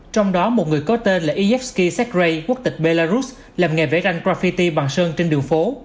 trong đó một người có tên là ijevski sekrey quốc tịch belarus làm nghề vẽ ranh graffiti bằng sơn trên đường phố